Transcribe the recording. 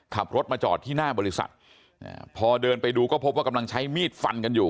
ขับรถมาจอดที่หน้าบริษัทพอเดินไปดูก็พบว่ากำลังใช้มีดฟันกันอยู่